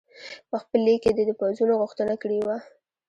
په خپل لیک کې دې د پوځونو غوښتنه کړې وه.